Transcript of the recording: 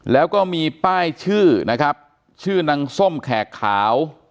แล้วก็มีป้ายชื่อนะครับชื่อนางส้มแขกขาว